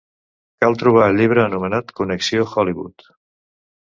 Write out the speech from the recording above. Cal trobar el llibre anomenat Connexió Hollywood